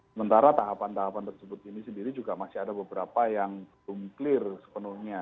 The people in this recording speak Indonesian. sementara tahapan tahapan tersebut ini sendiri juga masih ada beberapa yang belum clear sepenuhnya